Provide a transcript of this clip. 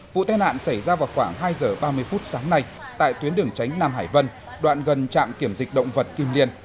vụ tai nạn xảy ra vào khoảng hai giờ ba mươi phút sáng nay tại tuyến đường tránh nam hải vân đoạn gần trạm kiểm dịch động vật kim liên